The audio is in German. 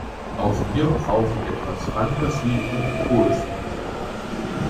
Auch wir brauchen etwas Phantasie und Poesie.